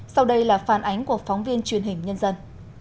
sau đây là phản ánh của phóng viên truyền hình nhân dân